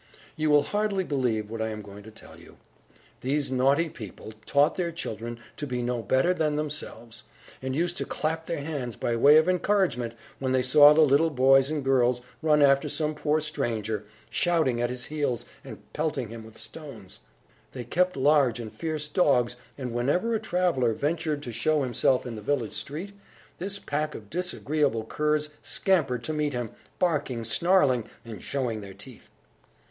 You will hardly believe what I am going to tell you. These naughty people taught their children to be no better than themselves, and used to clap their hands, by way of encouragement, when they saw the little boys and girls run after some poor stranger, shouting at his heels, and pelting him with stones. They kept large and fierce dogs, and whenever a traveller ventured to show himself in the village street, this pack of disagreeable curs scampered to meet him, barking, snarling, and showing their teeth.